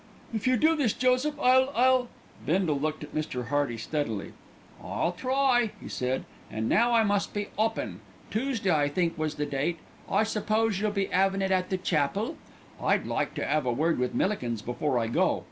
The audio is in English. "If you do this, Joseph, I'll I'll " Bindle looked at Mr. Hearty steadily. "I'll try," he said, "an' now I must be 'oppin'. Toosday I think was the date. I suppose you'll be 'avin' it at the chapel? I'd like to 'ave a word with Millikins before I go.